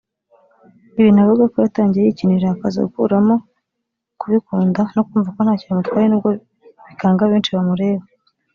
Ibintu avuga ko yatangiye yikinira akaza gukuramo ku bikunda no kumva ko ntacyo bimutwaye nubwo bikanga benshi bamureba